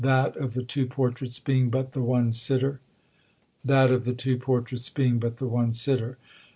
"That of the two portraits being but the one sitter!" "That of the two portraits being but the one sitter.